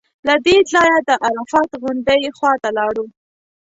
له دې ځایه د عرفات غونډۍ خوا ته لاړو.